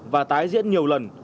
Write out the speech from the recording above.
và tái diễn nhiều lần